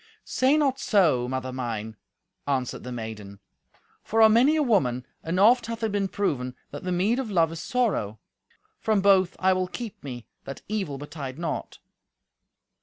"Say not so, mother mine," answered the maiden, "for on many a woman, and oft hath it been proven, that the meed of love is sorrow. From both I will keep me, that evil betide not."